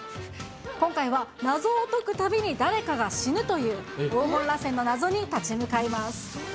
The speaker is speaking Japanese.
今回は、謎を解くたびに誰かが死ぬという黄金螺旋の謎に立ち向かいます。